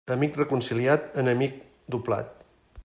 Amic reconciliat, enemic doblat.